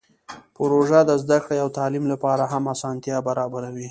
پروژه د زده کړې او تعلیم لپاره هم اسانتیاوې برابروي.